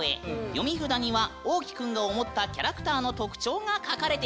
読み札にはおうきくんが思ったキャラクターの特徴が書かれているんだぬん。